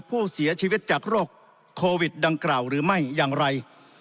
ผู้เสียชีวิตจากโรคโควิดดังกล่าวหรือไม่อย่างไร